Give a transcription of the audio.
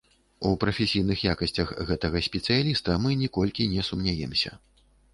У прафесійных якасцях гэтага спецыяліста мы ніколькі не сумняемся.